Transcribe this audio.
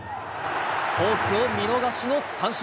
フォークを見逃しの三振。